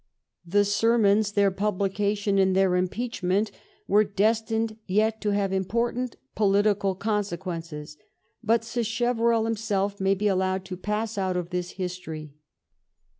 The sermons, their pub lication, and their impeachment were destined yet to have important political consequences, but Sacheverell himself may be allowed to pass out of this history.